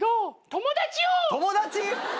友達？